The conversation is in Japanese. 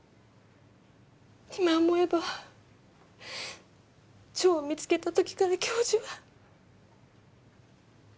今思えば蝶を見つけた時から教授は。